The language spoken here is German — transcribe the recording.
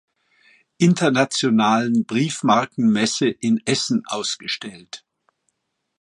Internationalen Briefmarken-Messe in Essen ausgestellt.